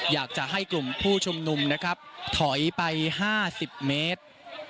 อยากจะให้กลุ่มผู้ชุมนุมนะครับถอยไป๕๐เมตร